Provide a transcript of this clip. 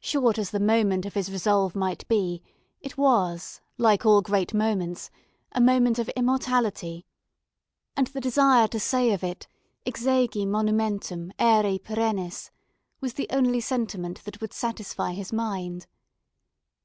Short as the moment of his resolve might be, it was, like all great moments, a moment of immortality, and the desire to say of it exegi monumentum oere perennius was the only sentiment that would satisfy his mind.